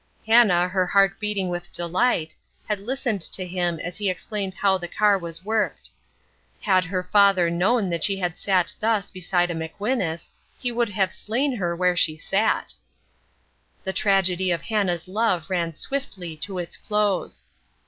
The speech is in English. Hannah, her heart beating with delight, had listened to him as he explained how the car was worked. Had her father know that she had sat thus beside a McWhinus, he would have slain her where she sat. The tragedy of Hannah's love ran swiftly to its close.